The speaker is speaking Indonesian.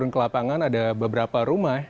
ke lapangan ada beberapa rumah